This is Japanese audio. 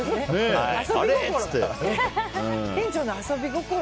店長の遊び心。